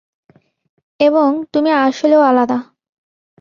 এবং তুমি আসলেও আলাদা।